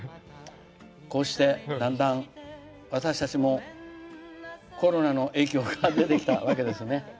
こうして、だんだん私たちもコロナの影響が出てきたわけですね。